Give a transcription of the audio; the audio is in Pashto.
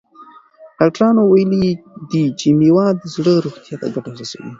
ډاکټرانو ویلي دي چې مېوه د زړه روغتیا ته ګټه رسوي.